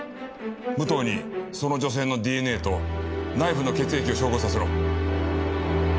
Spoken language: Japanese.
武藤にその女性のＤＮＡとナイフの血液を照合させろ。